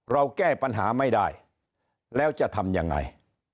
เราแก้ปัญหาไม่ได้แล้วจะทำยังไง